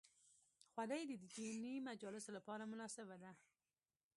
خولۍ د دیني مجالسو لپاره مناسبه ده.